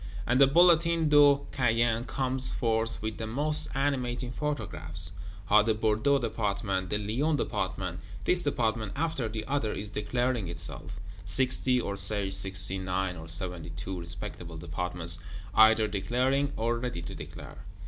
And the Bulletin de Caen comes forth, with the most animating paragraphs: How the Bordeaux Department, the Lyons Department, this Department after the other is declaring itself; sixty, or say sixty nine, or seventy two respectable Departments either declaring, or ready to declare.